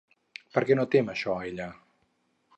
Per què no tem això ella?